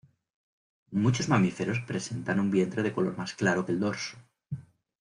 Muchos mamíferos presentan un vientre de color más claro que el dorso.